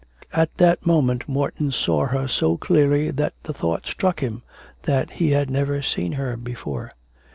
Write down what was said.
At that moment Morton saw her so clearly that the thought struck him that he had never seen her before.